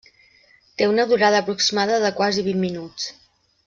Té una durada aproximada de quasi vint minuts.